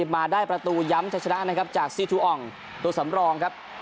มาได้ประตูย้ำชัดชนะนะครับจากซีทูอ่องตัวสำรองครับ